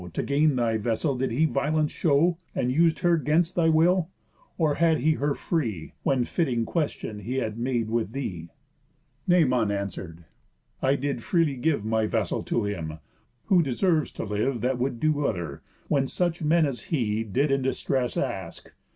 To gain thy vessel did he violence show, And us'd her 'gainst thy will? or had her free, When fitting question he had made with thee?" Noëmon answer'd: "I did freely give My vessel to him. Who deserves to live That would do other, when such men as he Did in distress ask?